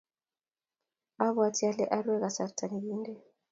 abwatii ale arue kasarta nekinde.